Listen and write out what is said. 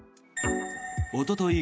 おととい